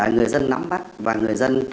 người dân nắm bắt và người dân